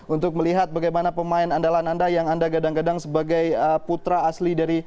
untuk melihat bagaimana pemain andalan anda yang anda gadang gadang sebagai putra asli dari